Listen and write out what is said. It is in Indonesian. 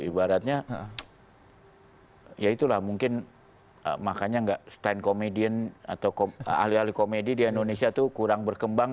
ibaratnya ya itulah mungkin makanya stand komedian atau ahli ahli komedi di indonesia itu kurang berkembang